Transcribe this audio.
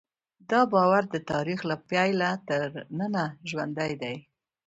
دا باور د تاریخ له پیله تر ننه ژوندی دی.